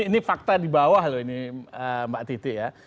ini fakta di bawah loh ini mbak titi ya